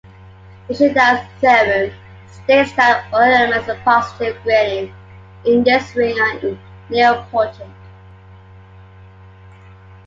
Nishida's theorem states that all elements of positive grading in this ring are nilpotent.